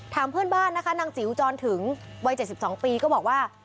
ถามเพื่อนบ้านนะคะนางจิ๋วจรถึงวัย๗๒ปีก็บอกว่า